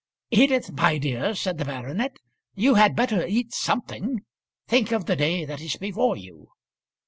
"Edith, my dear," said the baronet, "you had better eat something. Think of the day that is before you."